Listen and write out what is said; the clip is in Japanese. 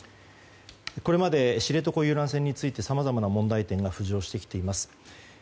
これまで知床遊覧船についてさまざまな問題点が浮上してきています。